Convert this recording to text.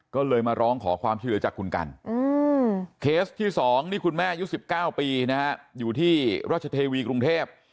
ก็เลยมาร้องขอความช่วยเหลือจากคุณกันเคสที่๒นี่คุณแม่อายุ๑๙ปีนะฮะอยู่ที่ราชเทวีกรุงเทพ